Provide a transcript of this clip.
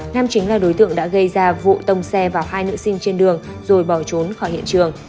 nam chính là đối tượng đã gây ra vụ tông xe vào hai nữ sinh trên đường rồi bỏ trốn khỏi hiện trường